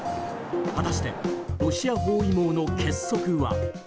果たしてロシア包囲網の結束は。